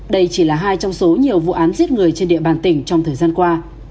đây chỉ là hai trong số nhiều vụ án giết người trên địa bàn tỉnh trong thời gian qua